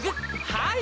はい！